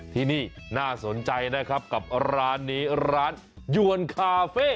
ที่นี่น่าสนใจนะครับกับร้านนี้ร้านยวนคาเฟ่